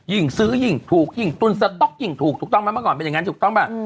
ยิ่งซื้อยิ่งถูกยิ่งตุ้นสต๊อกยิ่งถูกถูกต้องไหมเมื่อก่อนเป็นอย่างนั้นถูกต้องป่ะ